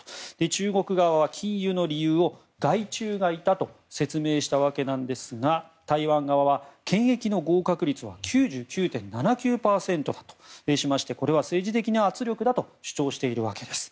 中国側は禁輸の理由を害虫がいたと説明したわけですが台湾側は、検疫の合格率は９９．７９％だとしましてこれは政治的な圧力だと主張しているわけです。